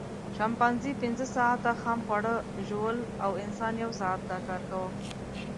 شامپانزي پینځه ساعته خام خواړه ژوول او انسان یو ساعت دا کار کاوه.